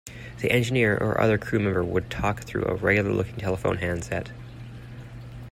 The engineer or other crew member would talk through a regular-looking telephone handset.